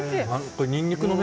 ニンニクの芽？